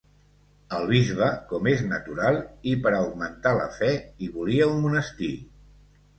El bisbe, com és natural i per a augmentar la fe, hi volia un monestir.